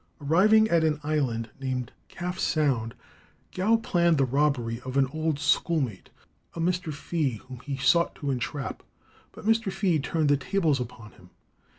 Arriving at an island named Calf Sound, Gow planned the robbery of an old schoolmate, a Mr. Fea, whom he sought to entrap. But Mr. Fea turned the tables upon him.